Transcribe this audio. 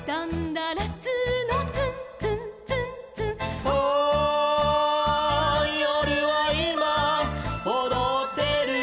「ああよるはいまおどってる」